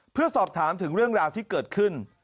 เพื่อสอบถามถึงเรื่องราวที่เกิดขึ้น